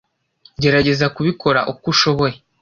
Gerageza kubikora uko ushoboye.